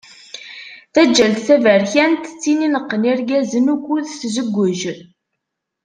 Taǧǧalt taberkant d tin ineqqen irgazen ukud tzeggej.